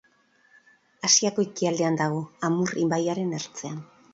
Asiako ekialdean dago, Amur ibaiaren ertzean.